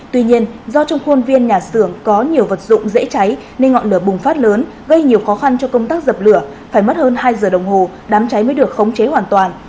tuy nhiên do trong khuôn viên nhà xưởng có nhiều vật dụng dễ cháy nên ngọn lửa bùng phát lớn gây nhiều khó khăn cho công tác dập lửa phải mất hơn hai giờ đồng hồ đám cháy mới được khống chế hoàn toàn